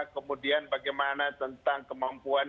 kemudian bagaimana tentang kemampuan